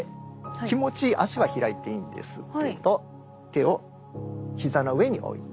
気持ち足は開いていいんですけど手をひざの上に置いて。